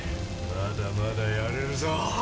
まだまだやれるぞ！